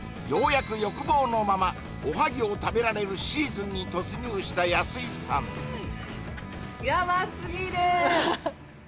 ようやく欲望のままおはぎを食べられるシーズンに突入した安井さんやばすぎる！